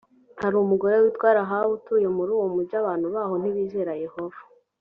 hari umugore witwa rahabu utuye muri uwo mugi abantu baho ntibizera yehova